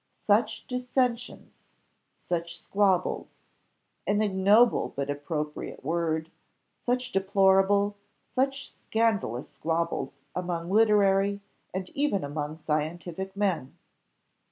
Such dissensions, such squabbles an ignoble but appropriate word such deplorable, such scandalous squabbles among literary, and even among scientific men.